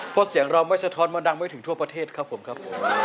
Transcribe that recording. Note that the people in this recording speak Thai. เพราะเสียงเราไม่สะท้อนมาดังไม่ถึงทั่วประเทศครับผมครับผม